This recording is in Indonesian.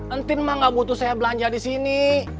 entin mah gak butuh saya belanja disini